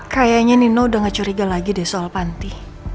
kayaknya nino udah gak curiga lagi deh soal panti